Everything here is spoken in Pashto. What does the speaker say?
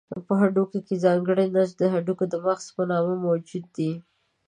په هډوکو کې ځانګړی نسج د هډوکو د مغزو په نامه موجود دی.